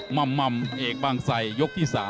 ม่ำเอกบางไซยกที่๓